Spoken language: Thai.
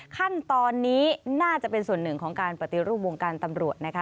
ขั้นตอนนี้น่าจะเป็นส่วนหนึ่งของการปฏิรูปวงการตำรวจนะคะ